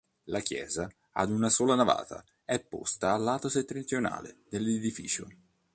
La chiesa, ad una sola navata, è posta al lato settentrionale dell'edificio.